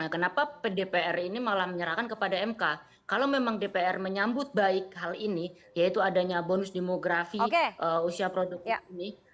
kenapa dpr ini malah menyerahkan kepada mk kalau memang dpr menyambut baik hal ini yaitu adanya bonus demografi usia produktif ini